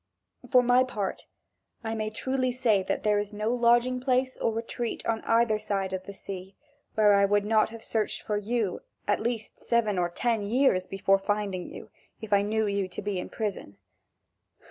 For my part I may truly say that there is no lodging place or retreat on either side of the sea, where I would not have searched for you at least seven or ten years before finding you, if I knew you to be in prison.